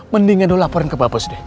mendingan dulu laporin ke pak bos deh